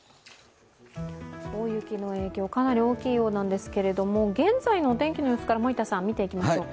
大雪の影響、かなり大きいようなんですけど、現在のお天気の様子から見ていきましょうか。